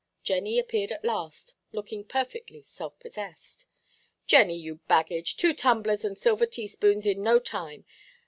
Jenny appeared at last, looking perfectly self–possessed. "Jenny, you baggage, two tumblers and silver teaspoons in no time.